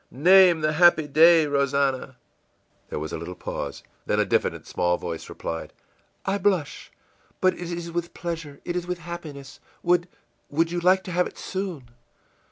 î ìName the happy day, Rosannah!î There was a little pause. Then a diffident small voice replied, ìI blush but it is with pleasure, it is with happiness. Would would you like to have it soon?